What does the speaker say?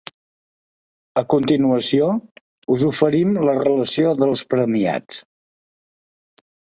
A continuació, us oferim la relació dels premiats.